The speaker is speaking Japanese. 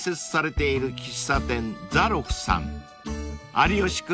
［有吉君